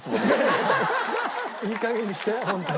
いい加減にしてホントに。